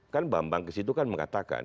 kan bambang kesitu kan mengatakan